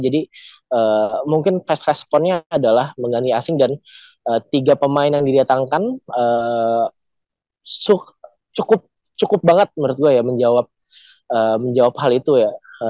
jadi mungkin fast responnya adalah mengganti asing dan tiga pemain yang didatangkan cukup cukup banget menurut gue ya menjawab menjawab hal itu ya